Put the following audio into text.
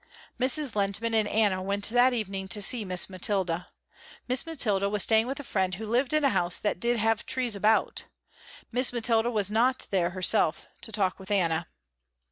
Mrs. Lehntman and Anna went that evening to see Miss Mathilda. Miss Mathilda was staying with a friend who lived in a house that did have trees about. Miss Mathilda was not there herself to talk with Anna.